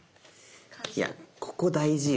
いやここ大事よ